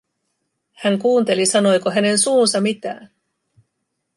Hän kuunteli, sanoiko hänen suunsa mitään.